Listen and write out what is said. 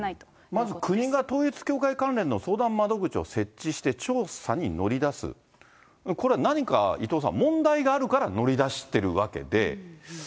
まず国が統一教会関連の相談窓口を設置して調査に乗り出す、これは何か伊藤さん、問題があるから乗り出してるわけで。